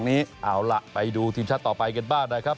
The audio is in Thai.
เอาล่ะไปดูทีมชาติต่อไปกันบ้างนะครับ